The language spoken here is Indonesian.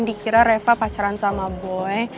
dikira reva pacaran sama boy